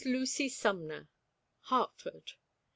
LUCY SUMNER. HARTFORD.